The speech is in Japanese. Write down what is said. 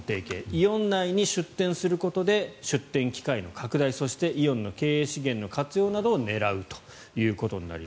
イオン内に出店することで出店機会の拡大そしてイオンの経営資源の活用などを狙うということです。